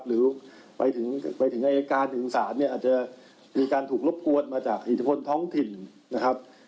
หรือไปถึงอายการถึงศาลเนี่ยอาจจะมีการถูกรบกวนมาจากอิทธิพลท้องถิ่นนะครับ